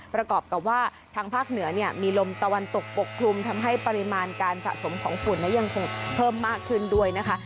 ประกอบกับว่าทางภาคเหนือเนี่ยมีลมตะวันตกปกคลุมทำให้ปริมาณการสะสมของฝุ่นยังคงเพิ่มมากขึ้นด้วยนะคะ